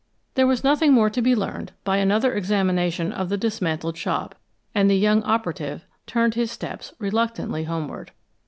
There was nothing more to be learned by another examination of the dismantled shop, and the young operative turned his steps reluctantly homeward.